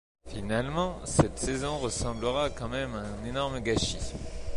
Finalement, cette saison ressemblera quand même à un énorme gâchis.